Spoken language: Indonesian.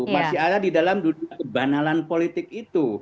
masih ada di dalam dunia kebanalan politik itu